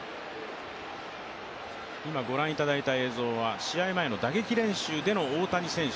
今ご覧いただいた映像は試合前の打撃練習での大谷選手